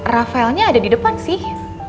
rafaelnya ada di depan sih